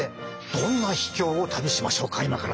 どんな秘境を旅しましょうか今から！